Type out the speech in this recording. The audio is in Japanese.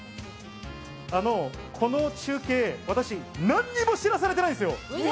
あの、この中継、私何も知らされてないんですよ。